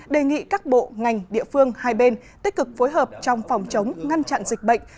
đề nghị các bộ ngành địa phương hai bên tích cực phối hợp trong phòng chống ngăn chặn dịch bệnh